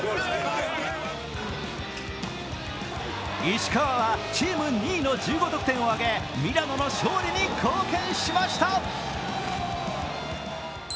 石川はチーム２位の１５得点を挙げミラノの勝利に貢献しました。